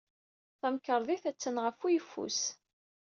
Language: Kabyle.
Tamkarḍit attan ɣef uyeffus.